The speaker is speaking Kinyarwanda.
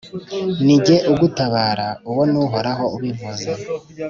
Ni jye ugutabara — uwo ni Uhoraho ubivuze.